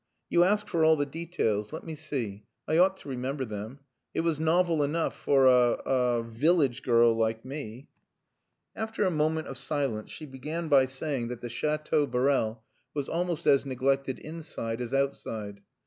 "You ask for all the details. Let me see. I ought to remember them. It was novel enough for a a village girl like me." After a moment of silence she began by saying that the Chateau Borel was almost as neglected inside as outside.